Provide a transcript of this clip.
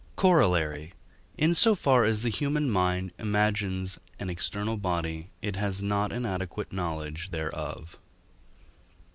Corollary. In so far as the human mind imagines an external body, it has not an adequate knowledge thereof.